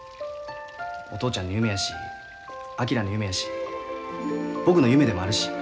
お父ちゃんの夢やし昭の夢やし僕の夢でもあるし。